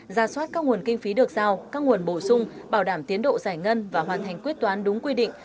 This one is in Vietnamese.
ra soát các nguồn kinh phí được giao các nguồn bổ sung bảo đảm tiến độ giải ngân và hoàn thành quyết toán đúng quy định